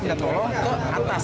minta tolong ke atas